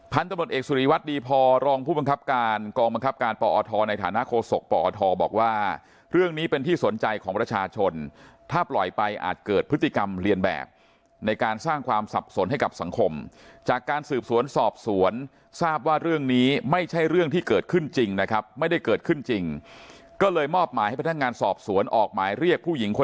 ตำรวจเอกสุริวัตรดีพอรองผู้บังคับการกองบังคับการปอทในฐานะโฆษกปอทบอกว่าเรื่องนี้เป็นที่สนใจของประชาชนถ้าปล่อยไปอาจเกิดพฤติกรรมเรียนแบบในการสร้างความสับสนให้กับสังคมจากการสืบสวนสอบสวนทราบว่าเรื่องนี้ไม่ใช่เรื่องที่เกิดขึ้นจริงนะครับไม่ได้เกิดขึ้นจริงก็เลยมอบหมายให้พนักงานสอบสวนออกหมายเรียกผู้หญิงค